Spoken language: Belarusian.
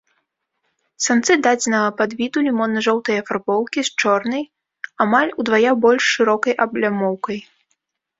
Самцы дадзенага падвіду лімонна-жоўтай афарбоўкі з чорнай, амаль удвая больш шырокай аблямоўкай.